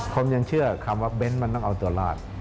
ผมยังเชื่อคำว่าเบ้นมันต้องเอาตัวรอด